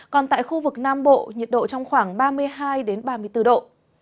còn tại khu vực nam bộ nhiệt độ trong khoảng ba mươi hai ba mươi bốn độ